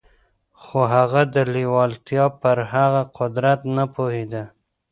خو هغه د لېوالتیا پر هغه قدرت نه پوهېده.